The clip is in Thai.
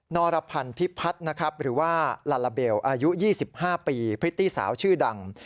รพันธ์พิพัฒน์นะครับหรือว่าลาลาเบลอายุ๒๕ปีพริตตี้สาวชื่อดัง